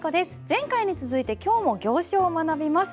前回に続いて今日も行書を学びます。